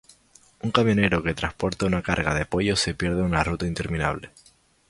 Un camionero que transporta una carga de pollos se pierde en una ruta interminable.